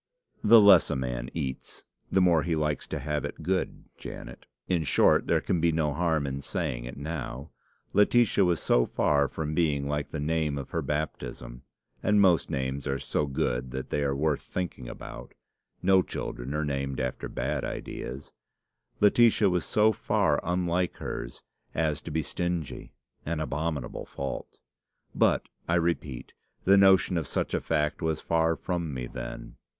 "The less a man eats, the more he likes to have it good, Janet. In short, there can be no harm in saying it now, Laetitia was so far from being like the name of her baptism, and most names are so good that they are worth thinking about; no children are named after bad ideas, Laetitia was so far unlike hers as to be stingy an abominable fault. But, I repeat, the notion of such a fact was far from me then.